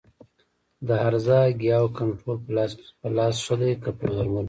د هرزه ګیاوو کنټرول په لاس ښه دی که په درملو؟